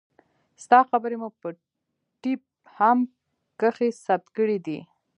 ستا خبرې مو په ټېپ هم کښې ثبت کړې دي.